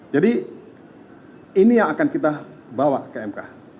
jadi ini yang akan kita bawa ke mk